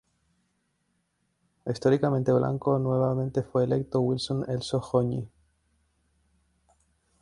Históricamente blanco, nuevamente fue electo Wilson Elso Goñi.